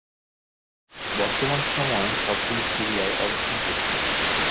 বর্তমান সময়ে সবগুলি সিরিয়ায় অবস্থান করছে।